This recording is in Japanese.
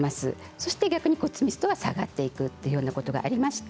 そして逆に骨密度は下がっていくというようなことがあります。